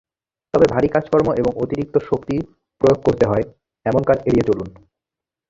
তবে ভারী কাজকর্ম এবং অতিরিক্ত শক্তি প্রয়োগ করতে হয়—এমন কাজ এড়িয়ে চলুন।